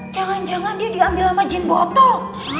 jangan jangan dia diambil sama jin botol